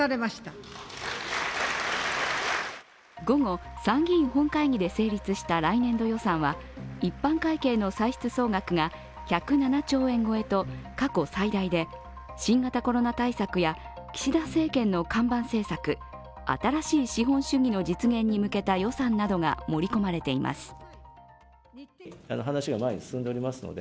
午後、参議院本会議で成立した来年度予算は一般会計の歳出総額が１０７兆円超えと過去最大で新型コロナ対策や岸田政権の看板政策、新しい資本主義の実現に向けた予算などが盛り込まれています。